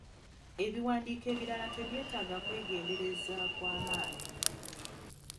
Ebiwandiiko ebirala tebyetaaga kwegendereza kwa maanyi.